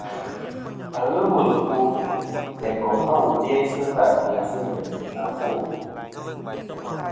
À n-ghɨ wul ɨkwo, læ koŋ a wu dæsɨ vâ dæsɨ nɨ àfo.